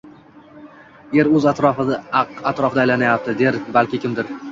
Yer o‘z o‘qi atrofida aylanyapti» – der balki kimdir.